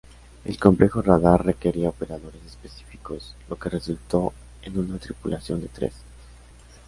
El complejo radar requería operadores específicos, lo que resultó en una tripulación de tres.